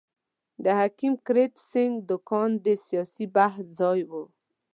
د حکیم کرت سېنګ دوکان د سیاسي بحث ځای وو.